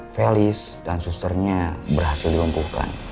felis dan susternya berhasil dilumpuhkan